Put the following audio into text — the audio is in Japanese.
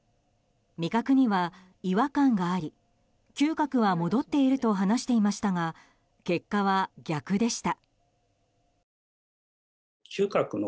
味覚には違和感があり嗅覚は戻っていると話しましたが結果は逆でした。